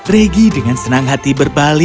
jadi jangan lupa bisa mencoba baterai tadi